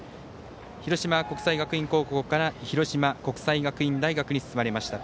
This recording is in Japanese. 広島国際学院高校から広島国際学院大学に進まれました。